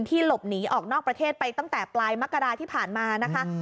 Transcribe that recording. หลบหนีออกนอกประเทศไปตั้งแต่ปลายมกราที่ผ่านมานะคะ